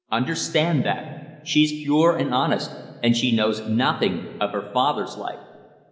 Understand that! She's pure and honest, and she knows nothing of her father's life."